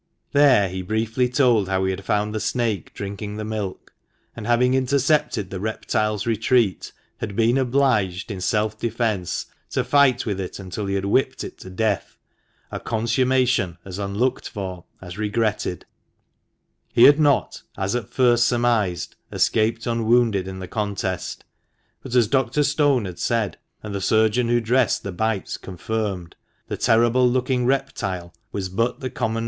There he briefly told how he had found the snake drinking the milk ; and having intercepted the reptile's retreat, had been obliged, in self defence, to fight with it until he had whipped it to death — a consummation as unlocked for as regretted, He had not, as at first surmised, escaped unwounded in the contest ; but, as Dr. Stone had said, and the surgeon who dressed the bites confirmed, the terrible looking reptile was but the common THE MANCHESTER MAN.